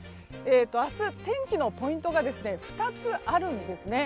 明日、天気のポイントが２つあるんですね。